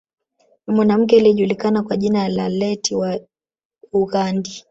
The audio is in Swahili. Ni mwanamke aliyejulikana kwa jina la Leti wa Ughandi